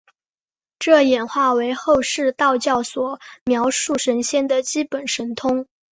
这演化为后世道教所描述神仙的基本神通。